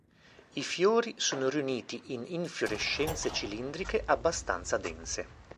I fiori sono riuniti in infiorescenze cilindriche abbastanza dense.